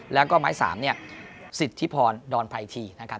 แล้วก็ไม้สามเนี่ยสิทธิพรดอนไพรทีนะครับ